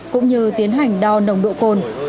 cũng như tiến hành đo nồng độc